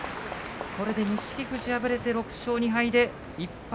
これで錦富士敗れて６勝２敗で１敗